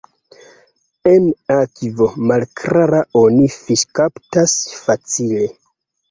En akvo malklara oni fiŝkaptas facile.